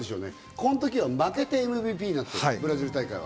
この時は負けてＭＶＰになってる、ブラジル大会は。